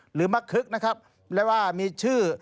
หรือมะคึกนะครับและว่ามีชื่อ